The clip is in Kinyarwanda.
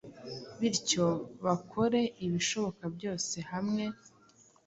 bityo bakore ibishoboka byose hamwe